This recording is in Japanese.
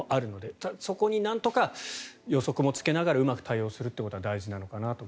ただ、そこになんとか予測もつけながらうまく対応することが大事なのかなと。